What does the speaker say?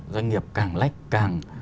doanh nghiệp càng lách càng